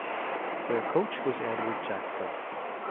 Their coach was Edward Jackson.